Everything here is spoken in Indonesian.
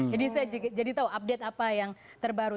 jadi saya jadi tahu update apa yang terbaru